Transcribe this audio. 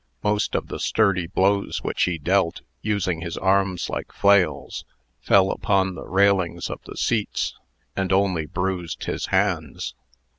Most of the sturdy blows which he dealt, using his arms like flails, fell upon the railings of the seats, and only bruised his hands.